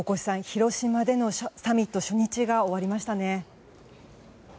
広島でのサミット初日が終わりましたね。